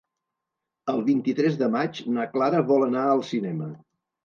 El vint-i-tres de maig na Clara vol anar al cinema.